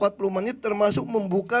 kalau ingin menemukanara warga